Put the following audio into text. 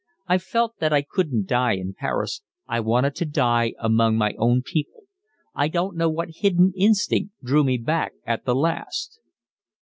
I felt that I couldn't die in Paris. I wanted to die among my own people. I don't know what hidden instinct drew me back at the last."